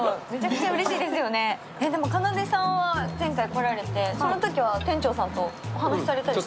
かなでさんは前回来られて、そのときは店長さんとお話しされたんですか？